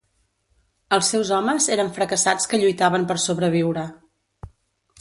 Els seus homes eren fracassats que lluitaven per sobreviure.